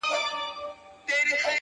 • بحثونه بيا تازه کيږي ناڅاپه ډېر..